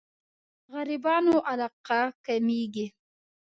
غريبانو علاقه کمېږي.